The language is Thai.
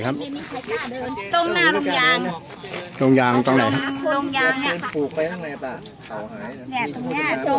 และที่สุดท้ายและที่สุดท้าย